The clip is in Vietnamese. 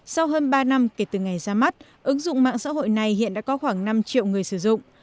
sau hơn ba năm kể từ ngày ra mắt ứng dụng mạng xã hội này hiện đã có khoảng năm triệu người sử dụng